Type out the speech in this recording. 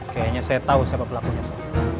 kayaknya saya tahu siapa pelakunya